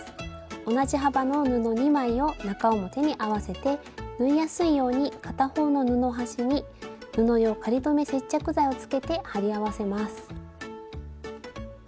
同じ幅の布２枚を中表に合わせて縫いやすいように片方の布端に布用仮留め接着剤をつけて貼り合わせます。